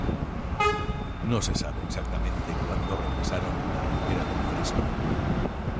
No se sabe exactamente cuándo regresaron a Ribera del Fresno.